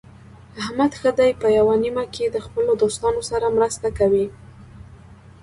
احمد ښه دی په یوه نیمه کې د خپلو دوستانو سره مرسته کوي.